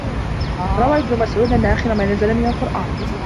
رَوَى ابْنُ مَسْعُودٍ أَنَّ آخِرَ مَا نَزَلَ مِنْ الْقُرْآنِ